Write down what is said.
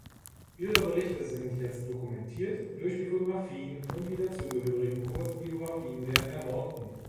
Ihre Berichte sind jetzt dokumentiert durch die Fotografien und die zugehörigen Kurzbiografien der Ermordeten.